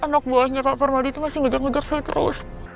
anak buahnya pak parmadi tuh masih ngejar ngejar saya terus